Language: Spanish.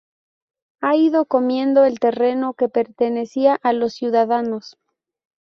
ha ido comiendo el terreno que pertenecía a los ciudadanos